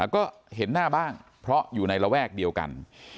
ก็เห็นหน้าบ้างเพราะอยู่ในระแวกเดียวกัน